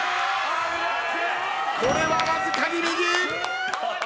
これはわずかに右。